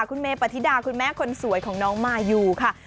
คุณเมปฏิดาคุณแม่คนสวยของน้องมายูค่ะ